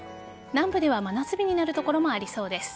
南部では真夏日になる所もありそうです。